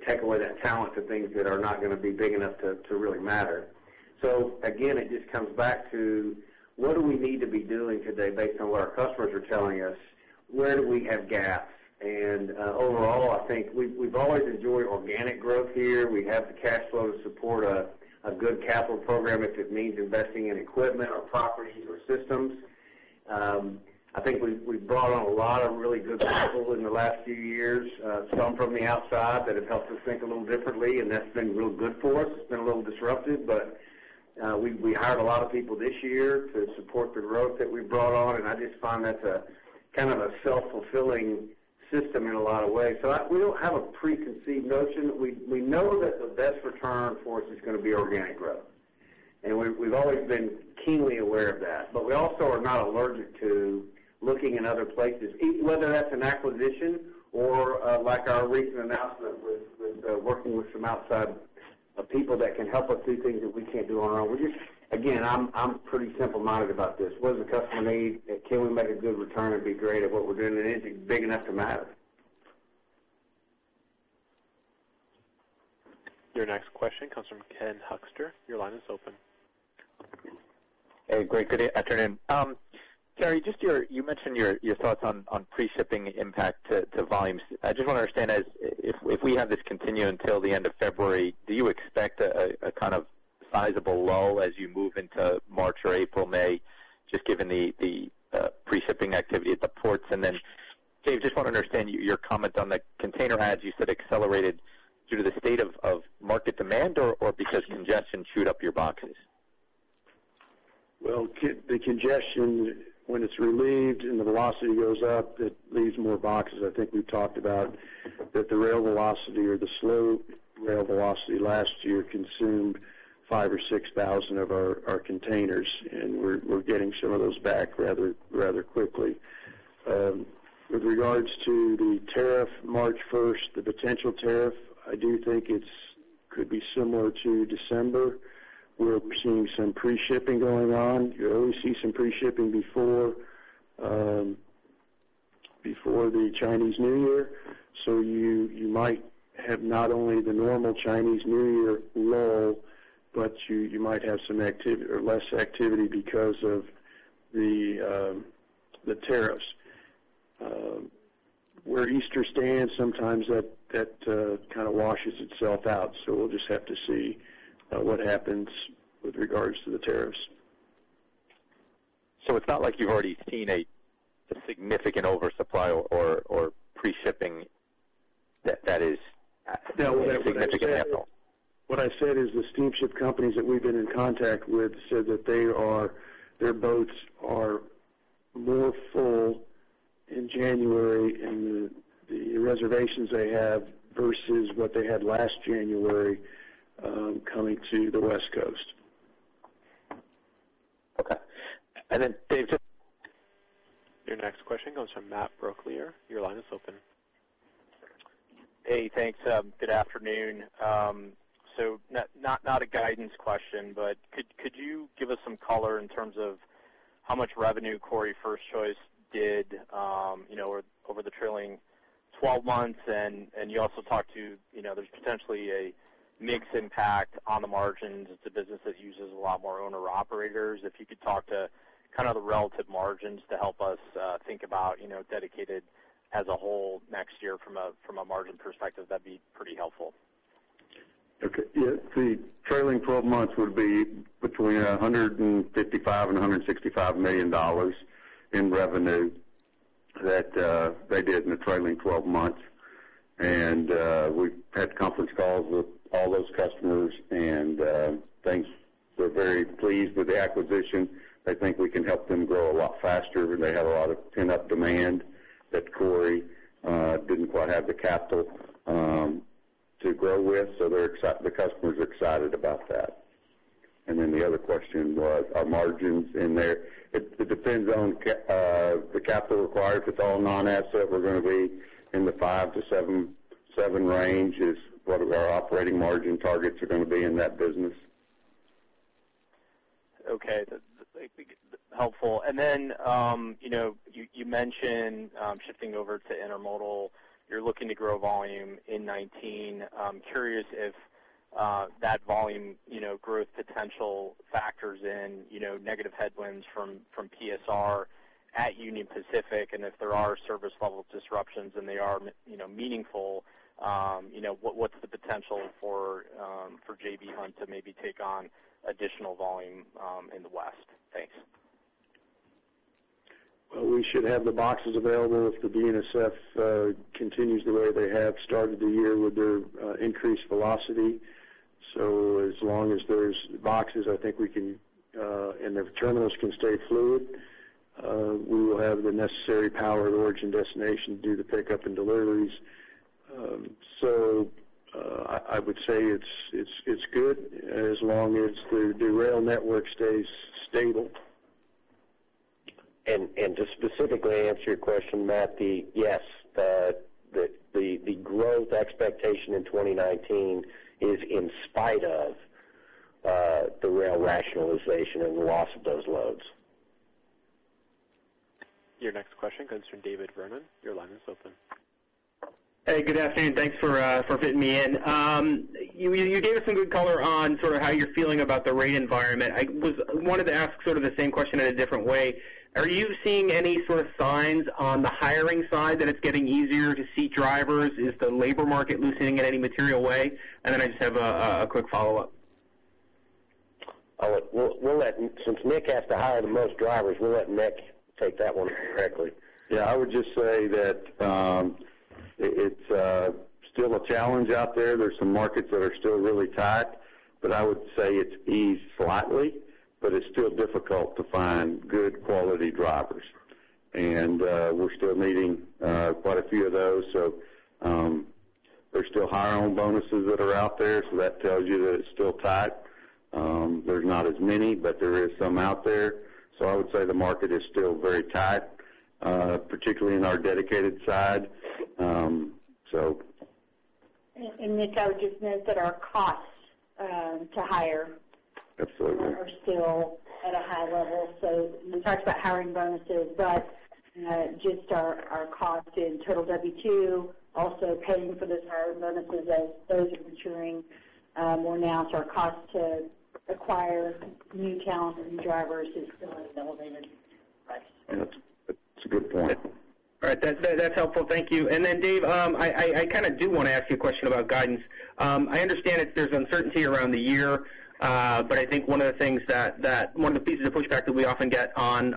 take away that talent to things that are not going to be big enough to really matter. Again, it just comes back to what do we need to be doing today based on what our customers are telling us? Where do we have gaps? Overall, I think we've always enjoyed organic growth here. We have the cash flow to support a good capital program if it means investing in equipment or properties or systems. I think we've brought on a lot of really good people in the last few years, some from the outside that have helped us think a little differently, that's been real good for us. It's been a little disruptive, we hired a lot of people this year to support the growth that we brought on, I just find that's a self-fulfilling system in a lot of ways. We don't have a preconceived notion. We know that the best return for us is going to be organic growth. We've always been keenly aware of that. We also are not allergic to looking in other places, whether that's an acquisition or like our recent announcement with working with some outside people that can help us do things that we can't do on our own. Again, I'm pretty simple-minded about this. What does the customer need? Can we make a good return and be great at what we're doing? Is it big enough to matter? Your next question comes from Ken Hoexter. Your line is open. Hey, great afternoon. Terry, you mentioned your thoughts on pre-shipping impact to volumes. I just want to understand as if we have this continue until the end of February, do you expect a kind of sizable lull as you move into March or April, May, just given the pre-shipping activity at the ports. Dave, just want to understand your comments on the container adds you said accelerated due to the state of market demand or because congestion chewed up your boxes. Well, the congestion when it's relieved and the velocity goes up, it leaves more boxes. I think we've talked about that the rail velocity or the slow rail velocity last year consumed 5,000 or 6,000 of our containers, and we're getting some of those back rather quickly. With regards to the tariff March 1st, the potential tariff, I do think it could be similar to December. We're seeing some pre-shipping going on. You always see some pre-shipping before the Chinese New Year. You might have not only the normal Chinese New Year lull, but you might have some less activity because of the tariffs. Where Easter stands, sometimes that kind of washes itself out. We'll just have to see what happens with regards to the tariffs. It's not like you've already seen a significant oversupply or pre-shipping that is a significant hassle. What I said is the steamship companies that we've been in contact with said that their boats are more full in January and the reservations they have versus what they had last January coming to the West Coast. Okay. Dave. Your next question comes from Matthew Miller. Your line is open. Hey, thanks. Good afternoon. Not a guidance question, but could you give us some color in terms of how much revenue Cory's First Choice did over the trailing 12 months? You also talked to there's potentially a mix impact on the margins. It's a business that uses a lot more owner-operators. If you could talk to the relative margins to help us think about dedicated as a whole next year from a margin perspective, that'd be pretty helpful. Okay. Yeah, the trailing 12 months would be between $155 million and $165 million in revenue that they did in the trailing 12 months. We've had conference calls with all those customers, and they're very pleased with the acquisition. They think we can help them grow a lot faster. They have a lot of pent-up demand that Cory didn't quite have the capital to grow with. The customers are excited about that. The other question was our margins in there. It depends on the capital required. If it's all non-asset, we're going to be in the 5-7% range is what our operating margin targets are going to be in that business. Okay. Helpful. You mentioned shifting over to intermodal. You're looking to grow volume in 2019. Curious if that volume growth potential factors in negative headwinds from PSR at Union Pacific, and if there are service level disruptions and they are meaningful, what's the potential for J.B. Hunt to maybe take on additional volume in the West? Thanks. Well, we should have the boxes available if the BNSF continues the way they have started the year with their increased velocity. As long as there's boxes, I think we can. If terminals can stay fluid, we will have the necessary power at origin destination to do the pickup and deliveries. I would say it's good as long as the rail network stays stable. To specifically answer your question, Matt, yes, the growth expectation in 2019 is in spite of the rail rationalization and the loss of those loads. Your next question comes from David Vernon. Your line is open. Hey, good afternoon. Thanks for fitting me in. You gave us some good color on how you're feeling about the rate environment. I wanted to ask the same question in a different way. Are you seeing any signs on the hiring side that it's getting easier to see drivers? Is the labor market loosening in any material way? Then I just have a quick follow-up. Since Nick has to hire the most drivers, we'll let Nick take that one directly. I would just say that it's still a challenge out there. There's some markets that are still really tight, but I would say it's eased slightly, but it's still difficult to find good quality drivers. We're still needing quite a few of those. There's still hire-on bonuses that are out there, so that tells you that it's still tight. There's not as many, but there is some out there. I would say the market is still very tight, particularly in our Dedicated side. Nick, I would just note that our costs to hire. Absolutely Are still at a high level. Nick talked about hiring bonuses, but just our cost in total W2, also paying for those hiring bonuses as those are maturing more now. Our cost to acquire new talent and new drivers is still at an elevated price. Yep. That's a good point. All right. That's helpful. Thank you. Then Dave, I do want to ask you a question about guidance. I understand that there's uncertainty around the year, but I think one of the pieces of pushback that we often get on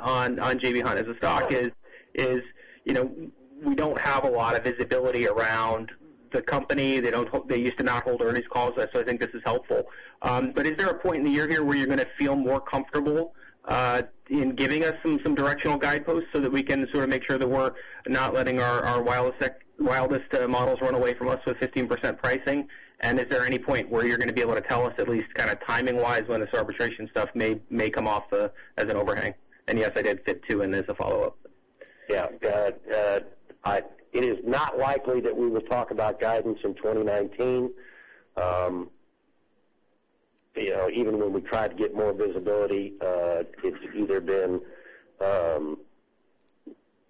J.B. Hunt as a stock is, we don't have a lot of visibility around the company. They used to not hold earnings calls. So I think this is helpful. Is there a point in the year here where you're going to feel more comfortable in giving us some directional guideposts so that we can sort of make sure that we're not letting our wildest models run away from us with 15% pricing? Is there any point where you're going to be able to tell us at least timing-wise when this arbitration stuff may come off as an overhang? Yes, I did fit two in as a follow-up. Yeah. It is not likely that we will talk about guidance in 2019. Even when we tried to get more visibility, it's either been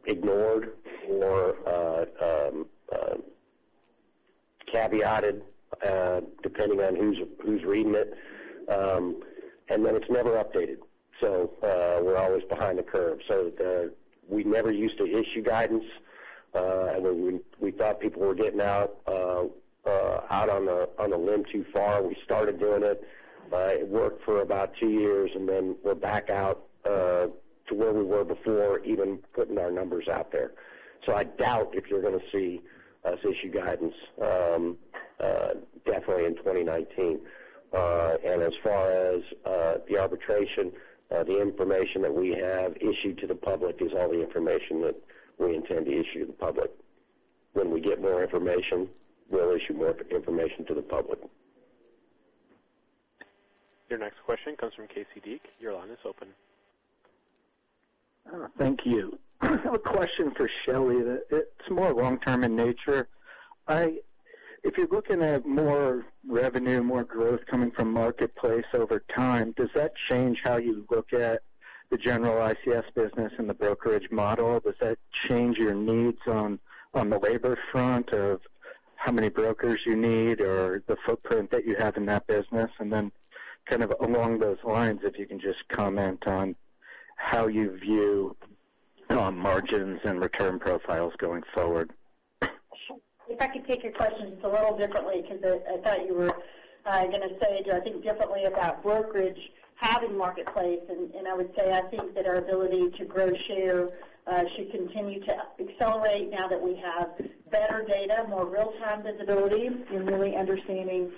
ignored or caveated, depending on who's reading it. Then it's never updated. We're always behind the curve. We never used to issue guidance. When we thought people were getting out on a limb too far, we started doing it, but it worked for about two years, and then we're back out to where we were before even putting our numbers out there. I doubt if you're going to see us issue guidance definitely in 2019. As far as the arbitration, the information that we have issued to the public is all the information that we intend to issue to the public. When we get more information, we'll issue more information to the public. Your next question comes from Casey Deak. Your line is open. Thank you. I have a question for Shelley. It's more long-term in nature. If you're looking at more revenue, more growth coming from Marketplace over time, does that change how you look at the general ICS business and the brokerage model? Does that change your needs on the labor front of how many brokers you need or the footprint that you have in that business? Kind of along those lines, if you can just comment on how you view margins and return profiles going forward. If I could take your questions a little differently, because I thought you were going to say, do I think differently about brokerage having Marketplace? I would say, I think that our ability to grow share should continue to accelerate now that we have better data, more real-time visibility, and really understanding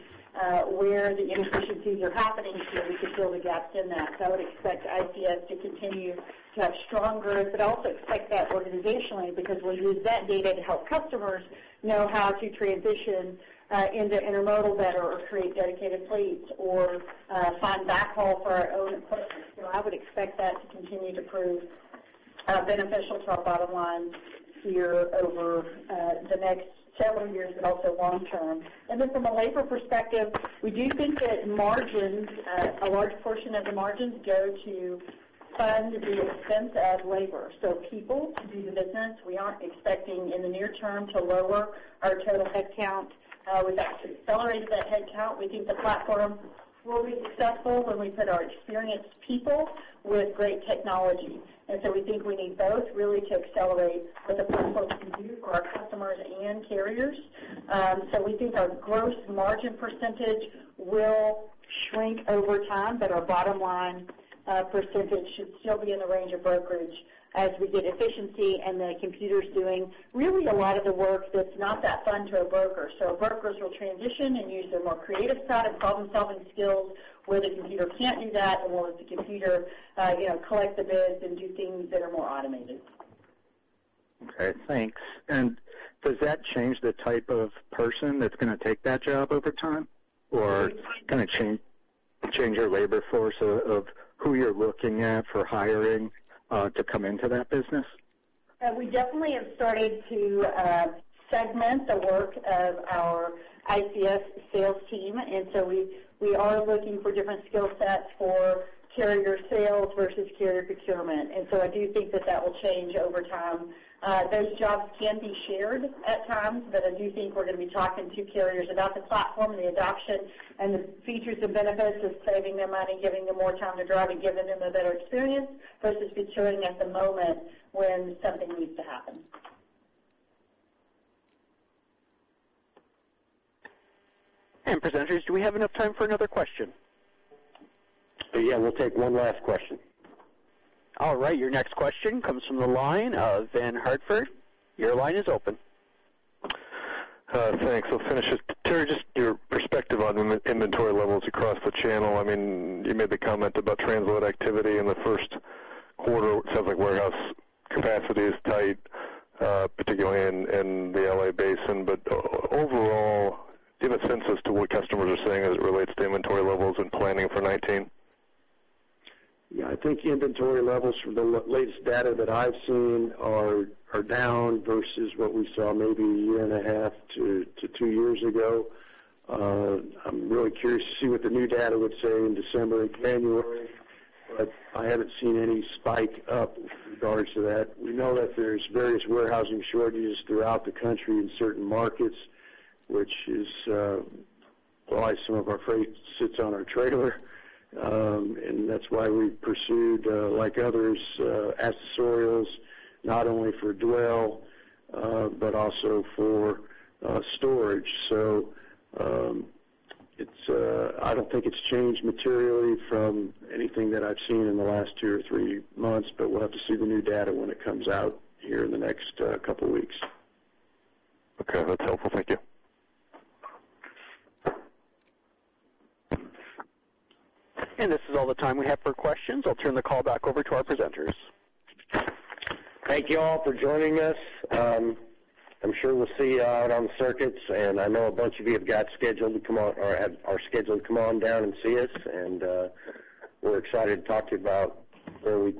where the inefficiencies are happening so we could fill the gaps in that. I would expect ICS to continue to have strong growth, but also expect that organizationally, because we'll use that data to help customers know how to transition into intermodal better or create dedicated fleets or find backhaul for our own equipment. I would expect that to continue to prove beneficial to our bottom line here over the next several years, but also long term. From a labor perspective, we do think that a large portion of the margins go to fund the expense of labor. People to do the business, we aren't expecting in the near term to lower our total headcount. We've actually accelerated that headcount. We think the platform will be successful when we put our experienced people with great technology. We think we need both really to accelerate what the platform can do for our customers and carriers. We think our gross margin percentage will shrink over time, but our bottom line percentage should still be in the range of brokerage as we get efficiency and the computer's doing really a lot of the work that's not that fun to a broker. Brokers will transition and use their more creative side and problem-solving skills where the computer can't do that, and we'll let the computer collect the bids and do things that are more automated. Okay, thanks. Does that change the type of person that's going to take that job over time? Change your labor force of who you're looking at for hiring to come into that business? We definitely have started to segment the work of our ICS sales team, so we are looking for different skill sets for carrier sales versus carrier procurement. So I do think that that will change over time. Those jobs can be shared at times, I do think we're going to be talking to carriers about the platform, the adoption, and the features and benefits of saving them money, giving them more time to drive, and giving them a better experience versus maturing at the moment when something needs to happen. Presenters, do we have enough time for another question? Yeah, we'll take one last question. All right, your next question comes from the line of Ben Hartford. Your line is open. Thanks. I'll finish it. Terry, just your perspective on inventory levels across the channel. You made the comment about transload activity in the first quarter. It sounds like warehouse capacity is tight, particularly in the L.A. basin. Overall, do you have a sense as to what customers are saying as it relates to inventory levels and planning for 2019? Yeah, I think inventory levels from the latest data that I've seen are down versus what we saw maybe a year and a half to two years ago. I'm really curious to see what the new data would say in December, January, I haven't seen any spike up with regards to that. We know that there's various warehousing shortages throughout the country in certain markets, which is why some of our freight sits on our trailer. That's why we pursued, like others, accessorials, not only for dwell but also for storage. I don't think it's changed materially from anything that I've seen in the last two or three months, but we'll have to see the new data when it comes out here in the next couple of weeks. Okay, that's helpful. Thank you. This is all the time we have for questions. I'll turn the call back over to our presenters. Thank you all for joining us. I'm sure we'll see you out on the circuits, and I know a bunch of you have got scheduled to come on, or are scheduled to come on down and see us. We're excited to talk to you about where we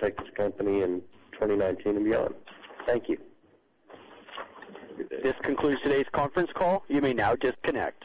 take this company in 2019 and beyond. Thank you. This concludes today's conference call. You may now disconnect.